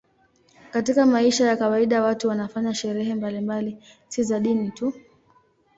Katika maisha ya kawaida watu wanafanya sherehe mbalimbali, si za dini tu.